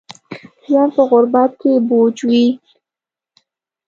ژوند په غربت کې بوج وي